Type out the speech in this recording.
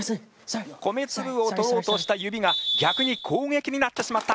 米つぶを取ろうとした指が逆に攻撃になってしまった。